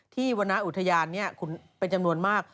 วรรณอุทยานเป็นจำนวนมาก